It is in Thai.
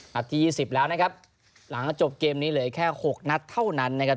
ที่๒๐แล้วนะครับหลังจบเกมนี้เหลือแค่๖นัดเท่านั้นนะครับ